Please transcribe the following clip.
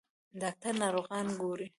ډاکټر ناروغان ګوري.